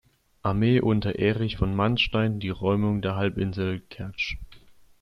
Armee unter Erich von Manstein, die Räumung der Halbinsel Kertsch.